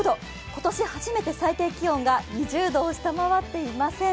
今年初めて最低気温が２０度を下回っていません。